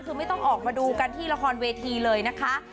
คือไม่ต้องออกมาดูกันที่ละครเวทีเลยนะคะ